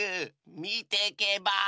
みてけばあ？